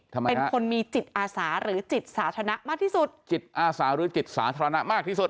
เป็นคนมีจิตอาสาหรือจิตสาธารณะมากที่สุดจิตอาสาหรือจิตสาธารณะมากที่สุด